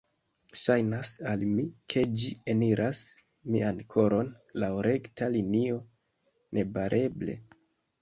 Ŝajnas al mi ke ĝi eniras mian koron laŭ rekta linio, nebareble.